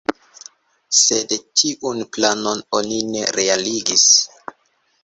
Sed tiun planon oni ne realigis.